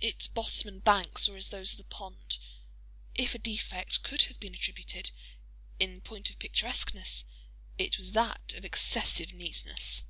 Its bottom and banks were as those of the pond—if a defect could have been attributed, in point of picturesqueness, it was that of excessive neatness.